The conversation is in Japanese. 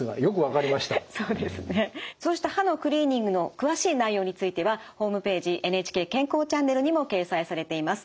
そうした歯のクリーニングの詳しい内容についてはホームページ「ＮＨＫ健康チャンネル」にも掲載されています。